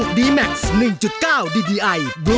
กลับสาหาร